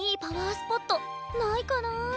スポットないかなあ。